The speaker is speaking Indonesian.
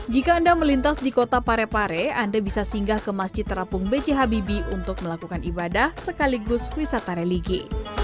jika anda melintas di kota parepare anda bisa singgah ke masjid terapung b j habibie untuk melakukan ibadah sekaligus wisata religi